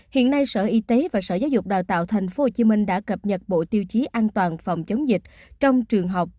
hiện nay sở y tế và sở giáo dục đào tạo tp hcm đã cập nhật bộ tiêu chí an toàn phòng chống dịch trong trường học